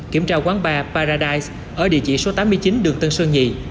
kiểm tra quán bar paradise ở địa chỉ số tám mươi chín đường tân sơn nhì